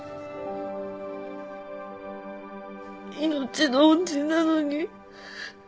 命の恩人なのに